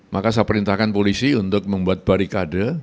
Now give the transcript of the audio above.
maka saya perintahkan polisi untuk membuat barikade